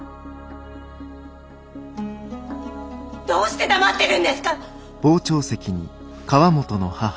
どうして黙ってるんですか！